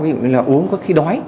ví dụ như là uống có khi đói